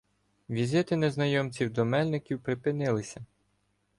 Візити незнайомців до Мельників припинилися.